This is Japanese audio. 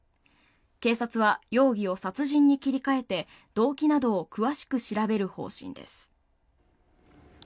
警察は容疑を殺人に切り替えて動機などを詳しく調べる方針です。